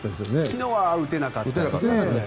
昨日は打てなかったです。